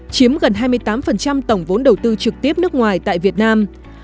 chiếm gần hai mươi tám tổng vốn đầu tư trực tiếp nước ngoài tại việt nam